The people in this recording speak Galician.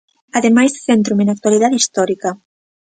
Ademais, céntrome na actualidade histórica.